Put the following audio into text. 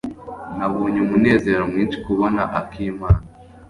Nabonye umunezero mwinshi kubona akimana.